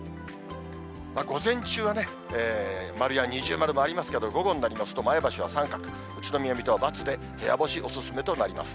午前中は丸や二重丸もありますが、午後になりますと、前橋は△、宇都宮、水戸はばつで、部屋干しお勧めとなります。